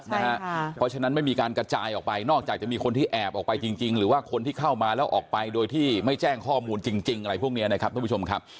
เพราะฉะนั้นไม่มีการกระจายออกไปนอกจากจะมีคนที่แอบออกไปจริงหรือว่าคนที่เข้ามาแล้วออกไปโดยที่ไม่แจ้งข้อมูลจริงอะไรพวกนี้นะครับท่านผู้ชมครับ